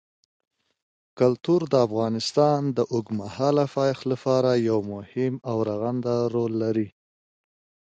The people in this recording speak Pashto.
کلتور د افغانستان د اوږدمهاله پایښت لپاره یو مهم او رغنده رول لري.